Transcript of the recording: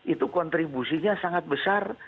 itu kontribusinya sangat besar